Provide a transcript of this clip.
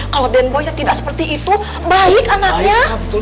kalau den boy yang tidak seperti itu baik anaknya